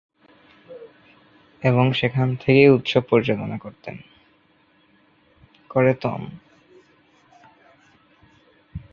এবং সেখান থেকেই উৎসব পরিচালনা করেতন।